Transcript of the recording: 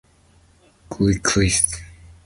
Gilchrist.